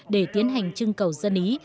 để tiến hành trưng cầu dân ý